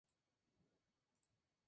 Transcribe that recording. Por ello, la planta obtuvo su epíteto.